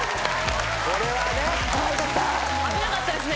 危なかったですね